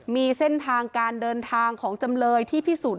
มีเส้นทางการเดินทางของจำเลยที่พิสูจน